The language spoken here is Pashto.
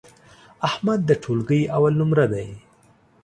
احمد د ټولگي اول نمره دی.